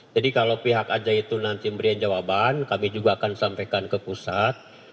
jadi kalau pihak ajaidun nanti memberikan jawaban kami juga akan sampaikan ke pusat